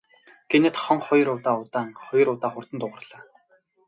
Гэнэт хонх хоёр удаа удаан, хоёр удаа хурдан дуугарлаа.